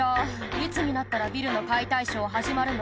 いつになったらビルの解体ショー始まるの？」